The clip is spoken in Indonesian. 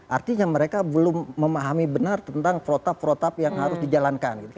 artinya mereka belum memahami benar tentang protap protap yang harus dijalankan